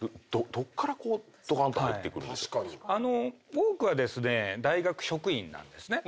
多くはですね大学職員なんですね。